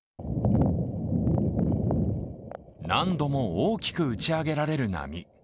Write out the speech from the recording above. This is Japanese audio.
何度も大きく打ち上げられる波。